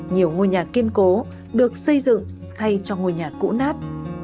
nhiều ngôi nhà kiên cố được xây dựng thay cho ngôi nhà cũ nát